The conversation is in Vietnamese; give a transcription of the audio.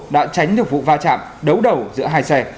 đã tránh được vụ va chạm đấu đầu giữa hai xe